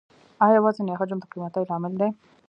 آیا وزن یا حجم د قیمتۍ لامل دی؟